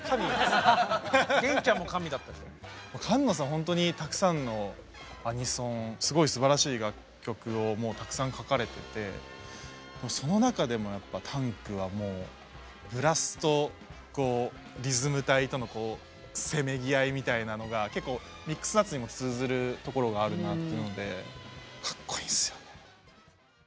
ほんとにたくさんのアニソンすごいすばらしい楽曲をもうたくさん書かれててその中でもやっぱ「Ｔａｎｋ！」はもうブラスとリズム隊とのせめぎ合いみたいなのが結構「ミックスナッツ」にも通ずるところがあるなっていうのでかっこいいんすよね。